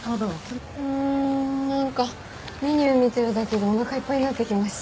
うん何かメニュー見てるだけでおなかいっぱいになってきました。